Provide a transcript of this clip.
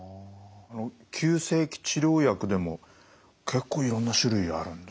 急性期治療薬でも結構いろんな種類あるんですね。